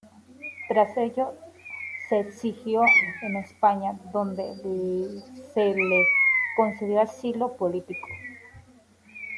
Tras ello se exilió en España, donde se le concedió asilo político.